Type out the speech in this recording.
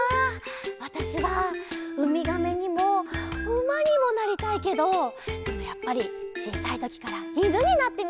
わたしはうみがめにもうまにもなりたいけどでもやっぱりちいさいときからいぬになってみたかったかな。